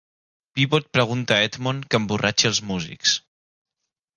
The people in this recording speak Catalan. Pieboard pregunta a Edmond que emborratxi els músics.